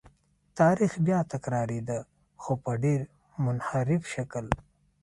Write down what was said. تاریخ بیا تکرارېده خو په ډېر منحرف شکل.